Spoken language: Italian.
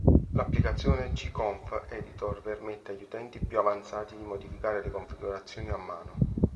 L'applicazione Gconf-editor permette agli utenti più avanzati di modificare le configurazioni a mano.